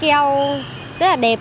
cái keo rất là đẹp